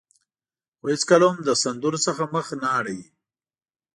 خو هېڅکله هم له سندرو څخه مخ نه اړوي.